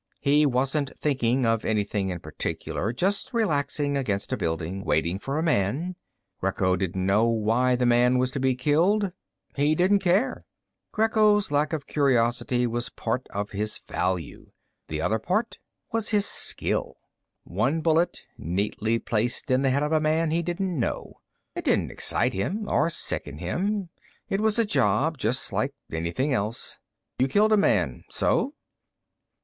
He wasn't thinking of anything in particular, just relaxing against a building, waiting for a man. Greco didn't know why the man was to be killed. He didn't care. Greco's lack of curiosity was part of his value. The other part was his skill. One bullet, neatly placed in the head of a man he didn't know. It didn't excite him or sicken him. It was a job, just like anything else. You killed a man. So?